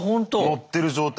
乗ってる状態